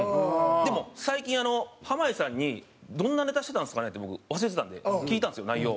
でも最近濱家さんにどんなネタしてたんですかねって僕忘れてたんで聞いたんですよ内容。